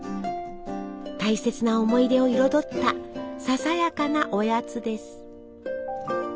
大切な思い出を彩ったささやかなおやつです。